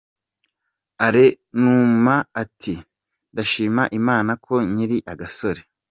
Alain Numa ati 'Ndashima Imana ko nkiri agasore'.